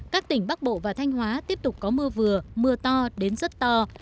các tỉnh bắc bộ và thanh hóa tiếp tục có mưa vừa mưa to đến rất to